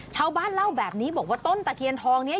ชาวบ้านเล่าแบบนี้บอกว่าต้นตะเคียนทองนี้